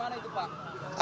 bagaimana itu pak